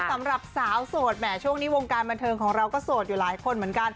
สำหรับสาวโสดแหมช่วงนี้วงการบันเทิงของเราก็โสดอยู่หลายคนเหมือนกัน